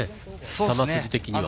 球筋的には。